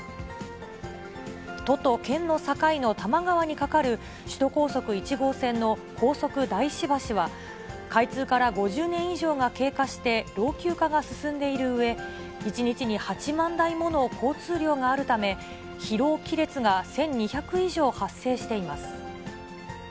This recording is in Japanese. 都と県の境の多摩川に架かる首都高速１号線の高速大師橋は、開通から５０年以上が経過して、老朽化が進んでいるうえ、１日に８万台もの交通量があるため、疲労亀裂が１２００以上発生しています。